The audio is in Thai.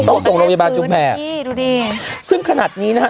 ต้องส่งโรงพยาบาลจุมแพรนี่ดูดิซึ่งขนาดนี้นะฮะ